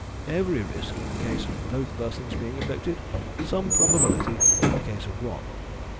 "Every risk in the case of both persons being affected; some probability in the case of one."